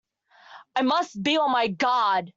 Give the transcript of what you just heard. I must be on my guard!